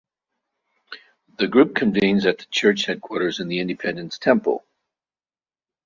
The group convenes at the church headquarters in the Independence Temple.